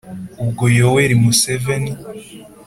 ubwo yoweri museveni